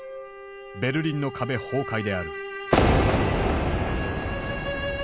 ベルリンの壁崩壊である。